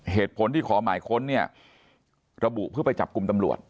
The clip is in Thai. เหตุผลที่ขอหมายค้นเนี่ยระบุเพื่อไปจับกลุ่มตำรวจ